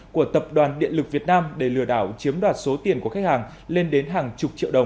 của tập đoàn điện lực việt nam để lừa đảo chiếm đoạt số tiền của khách hàng lên đến hàng chục triệu đồng